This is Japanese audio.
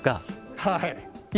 はい。